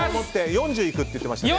４０いくって言ってましたね。